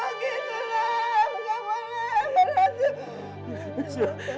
lu gak pernah